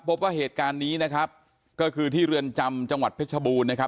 พบว่าเหตุการณ์นี้นะครับก็คือที่เรือนจำจังหวัดเพชรบูรณ์นะครับ